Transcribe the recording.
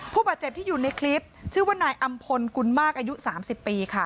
ผู้บาดเจ็บที่อยู่ในคลิปชื่อว่านายอำพลกุลมากอายุ๓๐ปีค่ะ